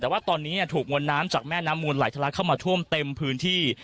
แต่ว่าตอนนี้ถูกมวลน้ำจากแม่น้ำมูลไหลทะลักเข้ามาท่วมเต็มพื้นที่